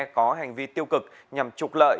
có hành vi tiêu cực nhằm trục lợi